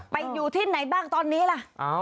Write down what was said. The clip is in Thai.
อยู่ที่ไหนบ้างตอนนี้ล่ะ